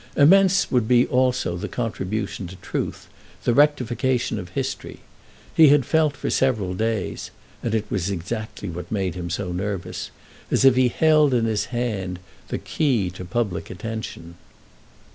Immense would be also the contribution to truth, the rectification of history. He had felt for several days (and it was exactly what had made him so nervous) as if he held in his hand the key to public attention.